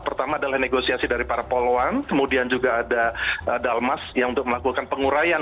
pertama adalah negosiasi dari para poluan kemudian juga ada dalmas yang untuk melakukan pengurayan